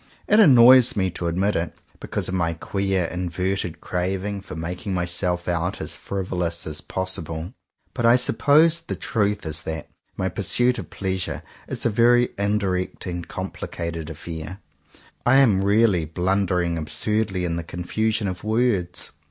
It annoys me to admit it, because 139 CONFESSIONS OF TWO BROTHERS of my queer, inverted craving for making myself out as frivolous as possible; but I suppose the truth is that my pursuit of Pleasure is a very indirect and complicated affair. I am really blundering absurdly in the confusion of words.